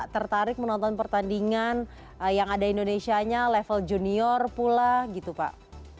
tertarik menonton pertandingan yang ada indonesianya level junior pula gitu pak